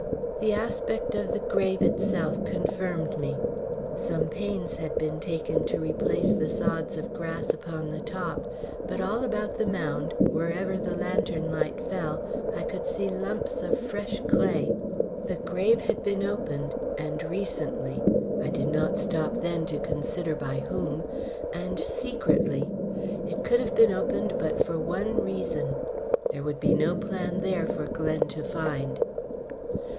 The aspect of the grave itself confirmed me. Some pains had been taken to replace the sods of grass upon the top, but all about the mound, wherever the lantern light fell, I could see lumps of fresh clay. The grave had been opened, and recently I did not stop then to consider by whom and secretly. It could have been opened but for the one reason. There would be no plan there for Glen to find.